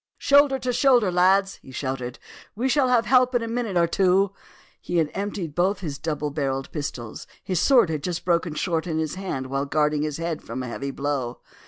"Shoulder to shoulder, lads!" he shouted. "We shall have help in a minute or two." He had emptied both his double barrelled pistols. His sword had just broken short in his hand while guarding his head from a heavy blow.